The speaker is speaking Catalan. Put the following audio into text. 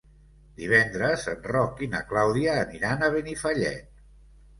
Divendres en Roc i na Clàudia aniran a Benifallet.